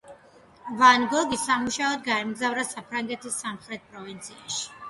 ვან გოგი სამუშაოდ გაემგზავრა საფრანგეთის სამხრეთ პროვინციაში